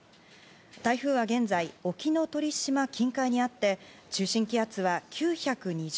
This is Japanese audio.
台風は現在沖ノ鳥島近海にあって中心気圧は９２０